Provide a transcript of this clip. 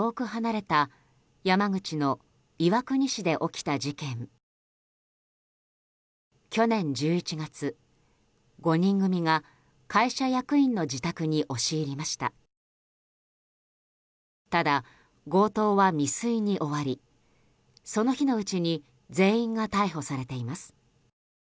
ただ、強盗は未遂に終わりその日のうちに全員が逮捕されています。